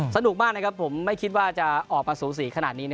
สนุกมากนะครับผมไม่คิดว่าจะออกมาสูสีขนาดนี้